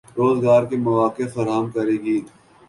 روزگار کے مواقع فراہم کرے گی